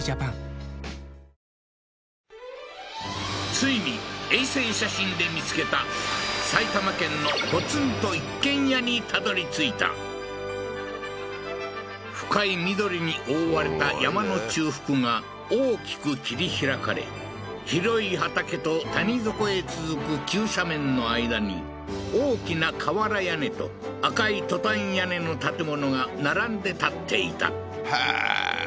ついに衛星写真で見つけた埼玉県の深い緑に覆われた山の中腹が大きく切り開かれ広い畑と谷底へ続く急斜面の間に大きな瓦屋根と赤いトタン屋根の建物が並んで建っていたへえー